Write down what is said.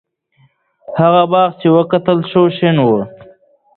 هغه باغ چې وکتل شو، شین و.